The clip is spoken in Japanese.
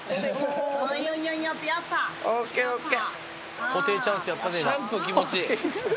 ＯＫＯＫ！